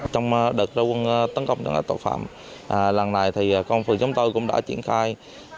trong đợt ra quân tấn công chấn áp tội phạm làng này thì công an phường chúng tôi cũng đã triển khai